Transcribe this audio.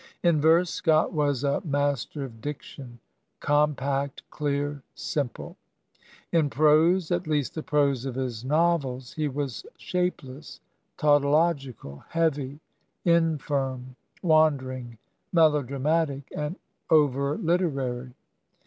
In verse, Scott was a mas ter of diction, compact, clear, simple; in prose, at least the prose of his novels, he was shapeless, tautological, heavy, infirm, wandering, melodramatic and over liter ary.